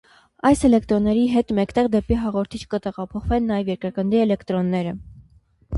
Այս էլեկտրոնների հետ մեկտեղ դեպի հաղորդիչ կտեղափոխվեն նաև երկրագնդի էլեկտրոնները։